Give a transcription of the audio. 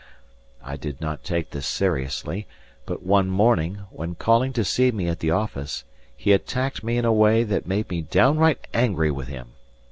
I did not take this seriously, but one morning, when calling to see me at the office, he attacked me in a way that made me downright angry with him.